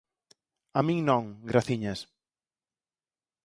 A min non, graciñas.